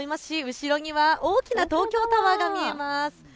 後ろには大きな東京タワーが見えます。